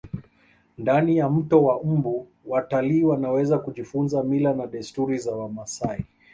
ndani ya mto wa mbu watalii wanaweza kujifunza mila na desturi za wamasai